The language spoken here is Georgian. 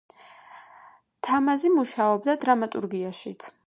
თამაზი მუშაობდა დრამატურგიაშიც.